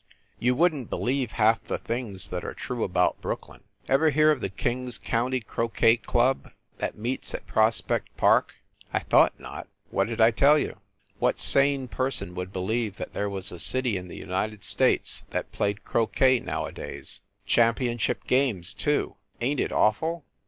You wouldn t believe half the things that are true about Brooklyn. Ever hear of the "King s County Croquet Club" that meets at Prospect Park? I thought not. What did I tell you? What sane person would believe that there was a city in the United States that played croquet nowadays? Championship games, too. Ain t it awful?